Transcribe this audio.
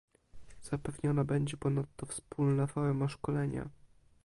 Zapewniona będzie ponadto wspólna forma szkolenia